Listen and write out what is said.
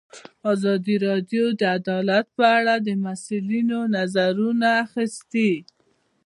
ازادي راډیو د عدالت په اړه د مسؤلینو نظرونه اخیستي.